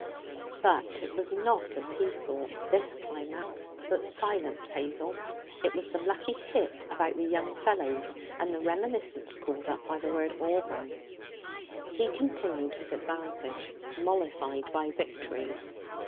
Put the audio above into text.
But it was not, as he thought, this climax that silenced Hazel. It was the lucky hit about the young fellows and the reminiscence called up by the word 'abron.' He continued his advantage, mollified by victory.